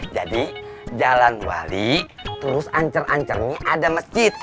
jadi jalan wali terus ancur ancurnya ada masjid